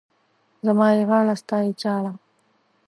زما يې غاړه، ستا يې چاړه.